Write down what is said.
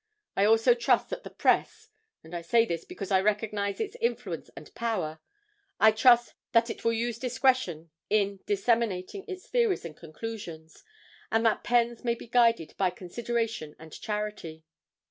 I also trust that the press (and I say this because I recognize its influence and power), I trust that it will use discretion in disseminating its theories and conclusions, and that pens may be guided by consideration and charity.